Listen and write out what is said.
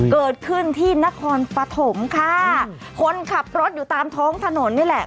เกิดขึ้นที่นครปฐมค่ะคนขับรถอยู่ตามท้องถนนนี่แหละ